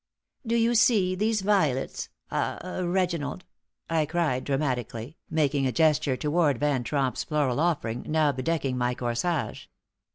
"Do you see these violets ah Reginald?" I cried, dramatically, making a gesture toward Van Tromp's floral offering, now bedecking my corsage.